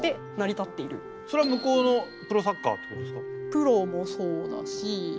プロもそうだし。